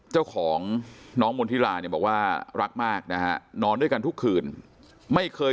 เจ้าของน้องมณฑิลาเนี่ยบอกว่ารักมากนะฮะนอนด้วยกันทุกคืนไม่เคย